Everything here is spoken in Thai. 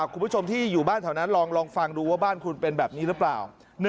คุณผู้ชมที่อยู่บ้านแถวนั้นลองฟังดูว่าบ้านคุณเป็นแบบนี้หรือเปล่า